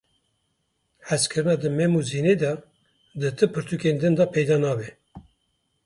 Hezkirina di Mem û Zînê de di ti pirtûkên din de peyda nabe.